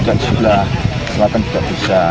dari sebelah selatan juga bisa